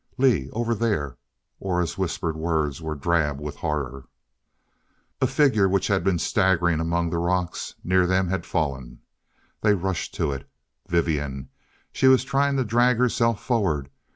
"Lee over there " Aura's whispered words were drab with horror. A figure which had been staggering among the rocks near them, had fallen. They rushed to it. Vivian! She was trying to drag herself forward.